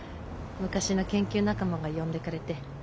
昔の研究仲間が呼んでくれて。